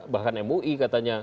bahkan mui katanya